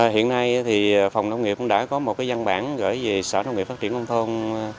hiện nay thì phòng nông nghiệp cũng đã có một văn bản gửi về sở nông nghiệp phát triển nông thôn